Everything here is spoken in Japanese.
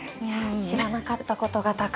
知らなかったことがたくさん。